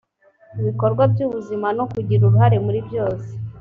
ibikorwa by ubuzima no kugira uruhare muri byose